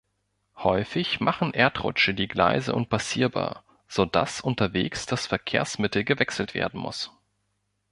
Häufig machen Erdrutsche die Gleise unpassierbar, so dass unterwegs das Verkehrsmittel gewechselt werden muss.